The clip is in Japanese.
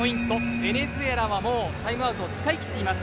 ベネズエラはもうタイムアウトを使い切っています。